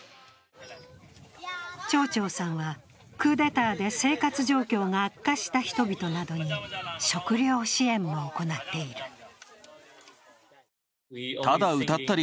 チョーチョーさんはクーデターで生活状況が悪化した人などに食糧支援も行っている。